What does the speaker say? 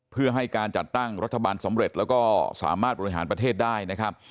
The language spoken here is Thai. เพื่อให้การจัดตั้งรัฐบาลสำเร็จแล้วก็สามารถบริหารประเทศได้นะครับ